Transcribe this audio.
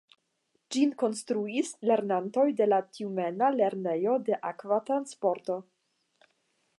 Ĝin konstruis lernantoj de la Tjumena Lernejo de Akva Transporto.